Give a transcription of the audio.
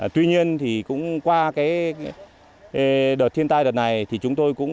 tuy nhiên thì cũng qua cái đợt thiên tai đợt này thì chúng tôi cũng